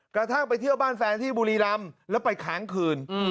กระทั่งไปเที่ยวบ้านแฟนที่บุรีรำแล้วไปค้างคืน